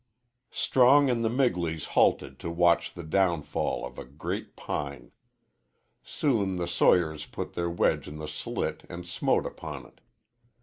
Strong and the Migleys halted to watch the downfall of a great pine. Soon the sawyers put their wedge in the slit and smote upon it.